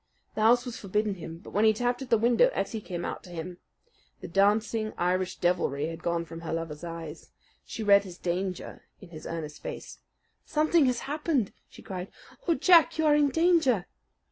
The house was forbidden him; but when he tapped at the window Ettie came out to him. The dancing Irish deviltry had gone from her lover's eyes. She read his danger in his earnest face. "Something has happened!" she cried. "Oh, Jack, you are in danger!"